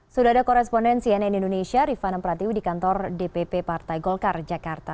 sudah ada korespondensi nn indonesia rifana pratiu di kantor dpp partai golkar jakarta